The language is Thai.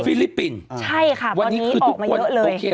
ฟิลิปปินส์ใช่ค่ะวันนี้ออกมาเยอะเลย